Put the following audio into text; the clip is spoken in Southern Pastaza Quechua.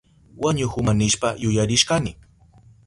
Wañuhuma nishpa yuyarishkani.